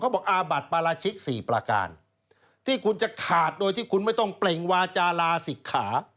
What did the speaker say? บอกอาบัติปราชิกสี่ประการที่คุณจะขาดโดยที่คุณไม่ต้องเปล่งวาจาลาศิกขา